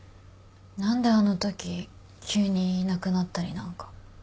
何であのとき急にいなくなったりなんか。